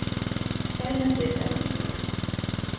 Feina feta.